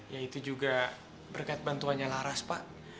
ya itu juga berkat bantuannya laras pak